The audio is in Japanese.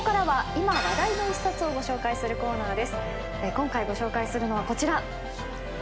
今回ご紹介するのはこちら。